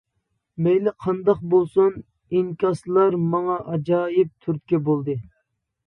مەيلى قانداق بولسۇن، ئىنكاسلار ماڭا ئاجايىپ تۈرتكە بولدى.